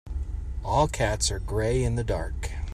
All cats are grey in the dark.